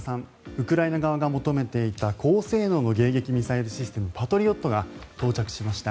ウクライナ側が求めていた高性能の迎撃ミサイルシステムパトリオットが到着しました。